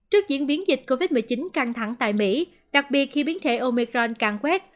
trước diễn biến dịch covid một mươi chín căng thẳng tại mỹ đặc biệt khi biến thể omecron càng quét